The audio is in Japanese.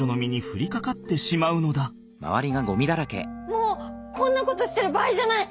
もうこんなことしてる場合じゃない！